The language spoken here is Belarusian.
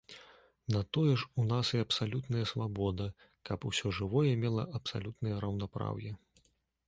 На тое ж у нас і абсалютная свабода, каб усё жывое мела абсалютнае раўнапраўе.